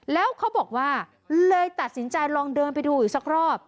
แล้วเขาบอกว่าเลยตัดสินใจลองเดินไปดูอีกสักรอบ